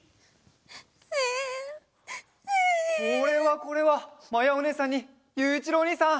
これはこれはまやおねえさんにゆういちろうおにいさん。